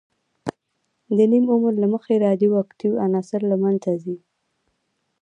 د نیم عمر له مخې رادیواکتیو عناصر له منځه ځي.